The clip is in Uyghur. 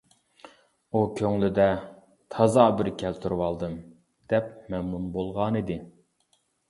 ئۇ كۆڭلىدە «تازا بىر كەلتۈرۈۋالدىم» دەپ مەمنۇن بولغانىدى.